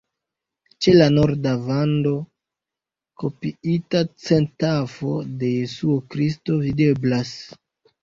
Ĉe la norda vando kopiita centafo de Jesuo Kristo videblas.